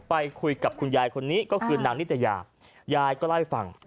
ไปคุยกับคุณยายคนนี้ก็คือนางนิตยายายก็เล่าให้ฟัง